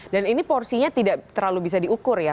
dan ini porsinya tidak terlalu bisa diukur ya